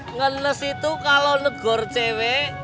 ngenes itu kalau negor cewek